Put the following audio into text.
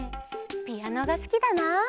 ピアノがすきだな！